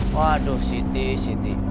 waduh siti siti